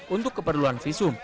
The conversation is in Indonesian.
untuk keperluan visum